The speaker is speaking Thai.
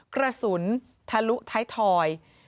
กระสุนทะลุท้ายทอย